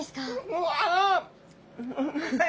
うわ！